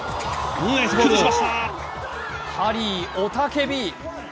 ハリー、雄たけび。